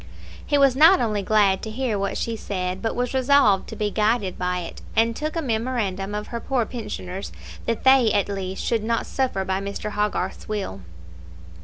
He was not only glad to hear what she said, but was resolved to be guided by it, and took a memorandum of her poor pensioners, that they, at least, should not suffer by Mr. Hogarth's will.